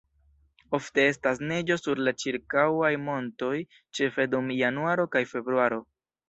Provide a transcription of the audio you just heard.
Ofte estas neĝo sur la ĉirkaŭaj montoj ĉefe dum januaro kaj februaro.